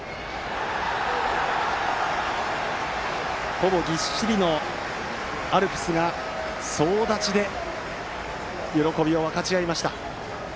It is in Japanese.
ほぼぎっしりのアルプスが総立ちで喜びを分かち合いました。